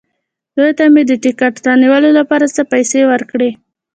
دوی ته مې د ټکټ رانیولو لپاره څه پېسې ورکړې.